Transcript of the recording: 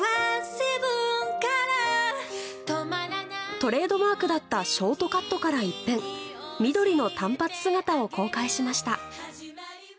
トレードマークだったショートカットから一変緑の短髪姿を公開しました。